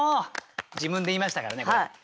自分で言いましたからねこれ。